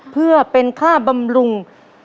เพื่อเป็นค่าบำรุง